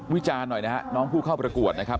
วิจารหน่อยนะครับน้องผู้เข้าประกวดนะครับ